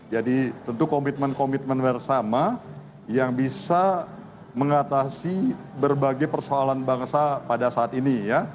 jadi tentu komitmen komitmen bersama yang bisa mengatasi berbagai persoalan bangsa pada saat ini